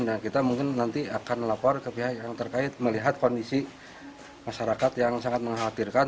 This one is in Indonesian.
dan kita mungkin nanti akan lapor ke pihak yang terkait melihat kondisi masyarakat yang sangat menghatirkan